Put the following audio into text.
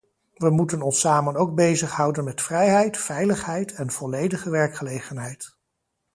We moeten ons samen ook bezighouden met vrijheid, veiligheid en volledige werkgelegenheid.